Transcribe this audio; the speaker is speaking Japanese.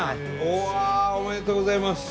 おめでとうございます。